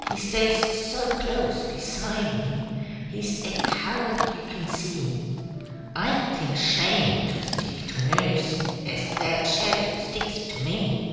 He stays so close beside me, he's a coward you can see; I'd think shame to stick to nursie as that shadow sticks to me!